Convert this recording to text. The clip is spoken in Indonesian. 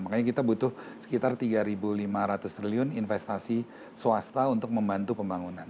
makanya kita butuh sekitar tiga lima ratus triliun investasi swasta untuk membantu pembangunan